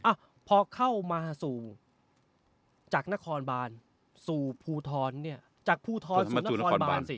อ่ะพอเข้ามาสู่จากนครบานสู่ภูทรเนี่ยจากภูทรสู่นครบานสิ